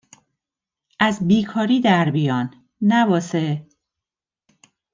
که از بیکاری در بیان نه واسه